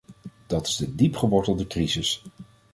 Dat is de diepgewortelde crisis.